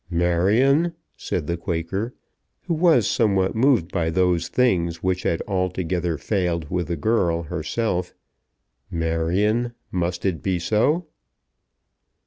"Marion," said the Quaker, who was somewhat moved by those things which had altogether failed with the girl herself; "Marion, must it be so?"